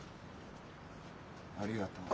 ありがとう。